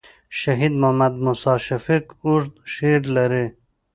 شهید محمد موسي شفیق اوږد شعر لري.